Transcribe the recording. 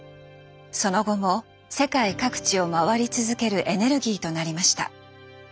その後も世界各地を回り続けるエネルギーとなりました。